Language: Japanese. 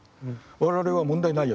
「我々は問題ないよ。